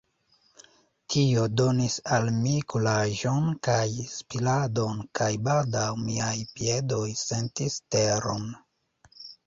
Tio donis al mi kuraĝon kaj spiradon, kaj baldaŭ miaj piedoj sentis teron.